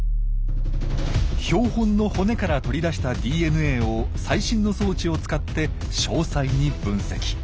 標本の骨から取り出したＤＮＡを最新の装置を使って詳細に分析。